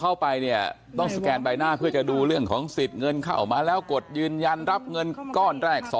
เข้าไปเนี่ยต้องสแกนใบหน้าเพื่อจะดูเรื่องของสิทธิ์เงินเข้ามาแล้วกดยืนยันรับเงินก้อนแรก